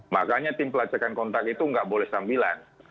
makanya tim pelacakan kontak itu nggak boleh sambilan